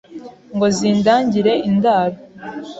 Ngo zindangire indaro